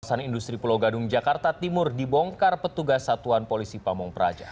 kawasan industri pulau gadung jakarta timur dibongkar petugas satuan polisi pamung praja